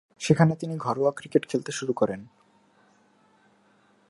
সেখানে তিনি ঘরোয়া ক্রিকেট খেলতে শুরু করেন।